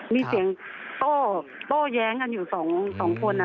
มีเสียงโป้แย้งกันอยู่๒คนนะ